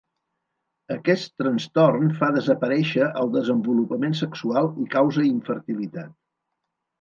Aquest trastorn fa desaparèixer el desenvolupament sexual i causa infertilitat.